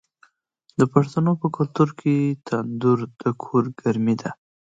د پښتنو په کلتور کې تندور د کور ګرمي ده.